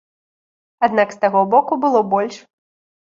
Аднак з таго боку было больш.